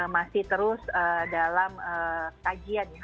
masih terus dalam kajian ya